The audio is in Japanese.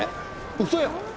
うそやん。